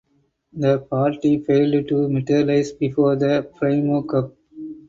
The party failed to materialize before the Primo coup.